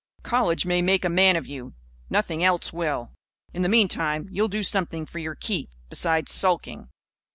College may make a man of you. Nothing else will. In the meantime, you'll do something for your keep, besides sulking.